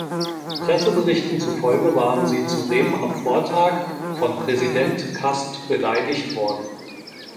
Presseberichten zufolge waren sie zudem am Vortag von Präsident Castbeleidigt worden.